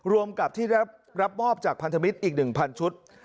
รวมกับที่รับมอบจากพันธมิตรอีก๑๐๐ชุด